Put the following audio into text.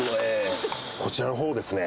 こちらの方をですね。